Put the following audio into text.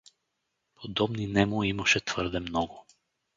Подобни нему имаше твърде много.